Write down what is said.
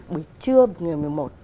buổi trưa ngày một mươi một